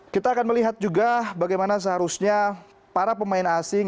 kita akan melihat juga bagaimana seharusnya para pemain asing